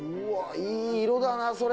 イイ色だなそれ。